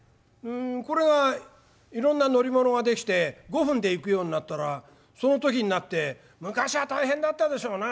これがいろんな乗り物が出来て５分で行くようになったらその時になって「昔は大変だったでしょうな。